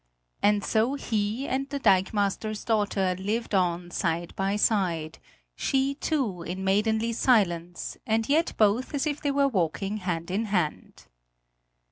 And so he and the dikemaster's daughter lived on side by side she, too, in maidenly silence, and yet both as if they were walking hand in hand.